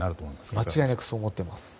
間違いなくそう思っています。